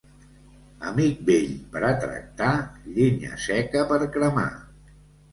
Amic vell per a tractar, llenya seca per cremar.